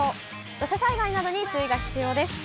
土砂災害などに注意が必要です。